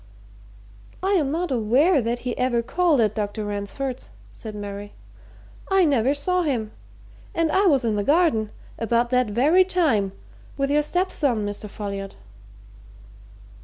"I am not aware that he ever called at Dr. Ransford's," said Mary. "I never saw him and I was in the garden, about that very time, with your stepson, Mr. Folliot."